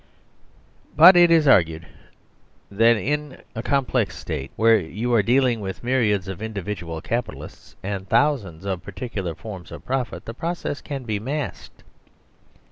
But it is argued that in a complex State, where you are dealing with myriads of individual Capitalists and thou sands of particular forms of profit, the process can be masked.